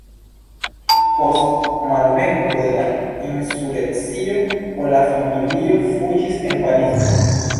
Post malvenko de la insurekcio kun la familio fuĝis en Parizon.